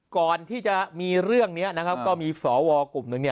ก่อนที่จะมีเรื่องนี้ก็มีสอวรกลุ่มหนึ่ง